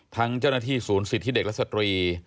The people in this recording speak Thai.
เจ้าหน้าที่ศูนย์สิทธิเด็กและสตรี